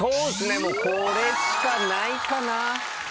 もうこれしかないかな。